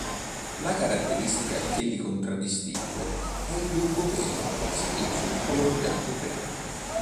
La caratteristica che li contraddistingue è il lungo pelo setoso di color bianco crema.